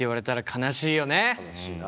悲しいな。